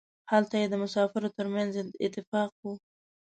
هلته یې د مسافرو ترمنځ اتفاق و.